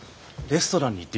レストラン？